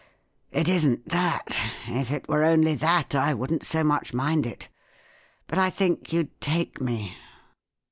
" It isn't that; if it were only that, I wouldn't so much mind it But I think you'd take me."